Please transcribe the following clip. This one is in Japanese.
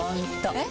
えっ？